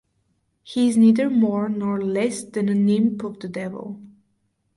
He is neither more nor less than an imp of the devil.